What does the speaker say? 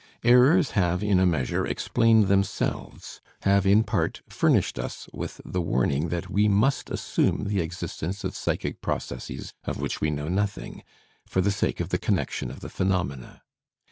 Errors have in a measure explained themselves, have, in part, furnished us with the warning that we must assume the existence of psychic processes of which we know nothing, for the sake of the connection of the phenomena.